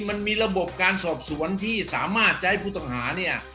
มันมีระบบการสอบสวนที่สามารถจะให้ผู้ต้องหาเนี่ย